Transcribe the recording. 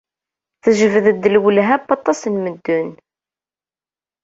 Tejbed-d lwelha n waṭas n medden.